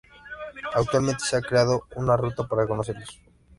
Actualmente se ha creado una ruta para conocerlos